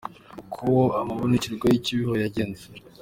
Uko amabonekerwa y’ i Kibeho yagenze